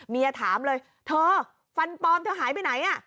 เมียถามเลยเธอฟันปลอมเธอหายไปไหน